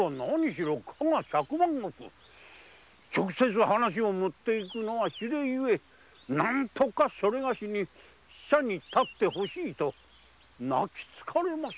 直接話をもっていくのは非礼ゆえ何とかそれがしに使者に立って欲しいと泣きつかれましてな。